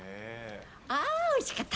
あー、おいしかった。